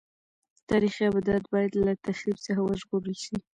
تاریخي ابدات باید له تخریب څخه وژغورل شي.